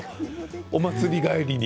お祭り帰りに。